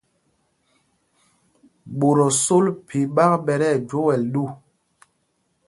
Ɓot o sol phī ɓak ɓɛ tí ɛgwoɛl ɗu.